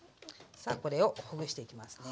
さあこれをほぐしていきますね。